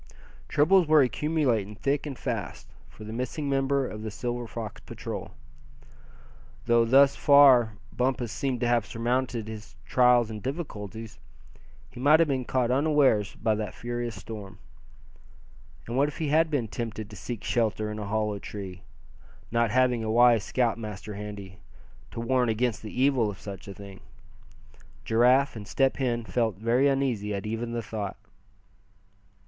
Troubles were accumulating thick and fast, for the missing member of the Silver Fox Patrol. Though thus far Bumpus seemed to have surmounted his trials and difficulties, he might have been caught unawares by that furious storm. And what if he had been tempted to seek shelter in a hollow tree, not having a wise scoutmaster handy, to warn against the evil of such a thing? Giraffe and Step Hen felt very uneasy at even the thought.